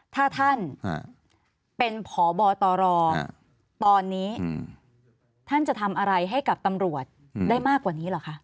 ถ้าท่านเป็นพบตรตอนนี้ท่านจะทำอะไรให้กับตำรวจได้มากกว่านี้เหรอคะ